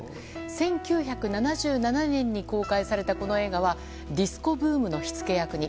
１９７７年に公開されたこの映画はディスコブームの火付け役に。